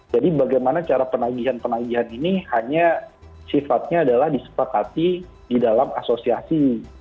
jadi bagaimana cara penagihan penagihan ini hanya sifatnya adalah disepakati di dalam asosiasi